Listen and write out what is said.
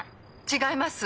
違います！